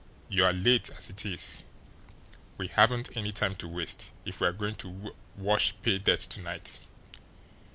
You're late, as it is. We haven't any time to waste, if we're going to wash pay dirt to night."